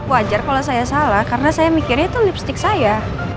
wajar kalau saya salah karena saya mikirnya itu lipstick saya